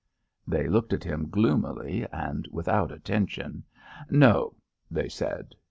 They looked at him gloomily and without attention. "No," they said.